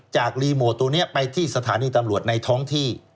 รีโมทตัวนี้ไปที่สถานีตำรวจในท้องที่